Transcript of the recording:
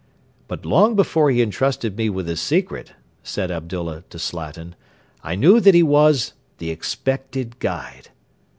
'But long before he entrusted me with his secret,' said Abdullah to Slatin, 'I knew that he was "the expected Guide."'